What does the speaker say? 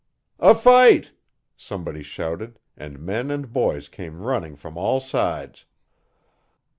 'A fight!' somebody shouted and men and boys came runing from all sides.